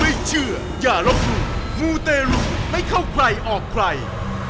ไม่เชื่ออย่าลบหลู่มูเตรุไม่เข้าใครออกใคร